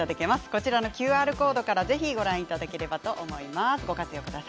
こちらのＱＲコードからぜひご覧いただければと思います。